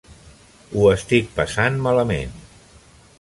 Ho estic passant malament.